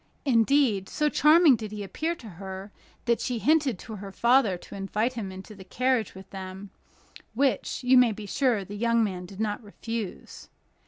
Indeed, so charming did he appear to her, that she hinted to her father to invite him into the carriage with them, which, you may be sure the young man did not refuse.